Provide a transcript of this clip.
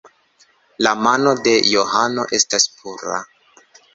La mano de Johano estas pura.